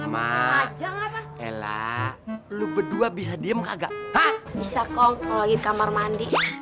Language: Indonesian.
mak ella lu berdua bisa diem kagak bisa kok kalau lagi di kamar mandi